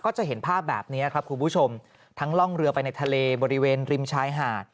จะเห็นภาพแบบนี้ครับคุณผู้ชมทั้งล่องเรือไปในทะเลบริเวณริมชายหาด